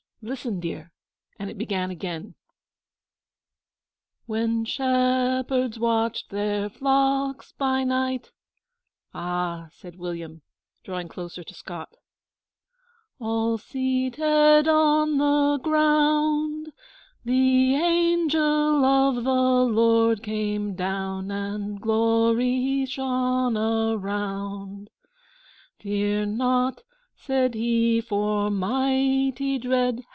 Listen! dear.'And it began again: When shepherds watched their flocks by night 'A h h!' said William, drawing closer to Scott. All seated on the ground, The Angel of the Lord came down, And glory shone around. 'Fear not,' said he (for mighty dread.